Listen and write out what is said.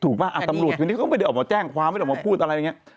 ป่ะตำรวจคนนี้เขาก็ไม่ได้ออกมาแจ้งความไม่ได้ออกมาพูดอะไรอย่างนี้